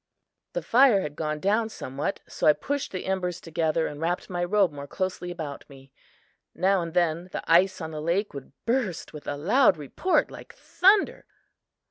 The fire had gone down somewhat, so I pushed the embers together and wrapped my robe more closely about me. Now and then the ice on the lake would burst with a loud report like thunder.